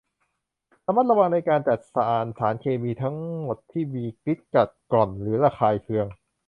ระมัดระวังในการจัดการสารเคมีทั้งหมดที่มีฤทธิ์กัดกร่อนหรือระคายเคือง